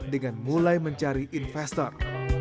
dengan mulai mencari investor